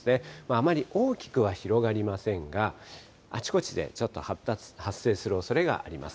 あまり大きくは広がりませんが、あちこちでちょっと発生するおそれがあります。